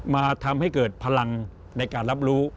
มาทำให้เกิดพลังในการรับรู้